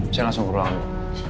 saya langsung ke ruangan dulu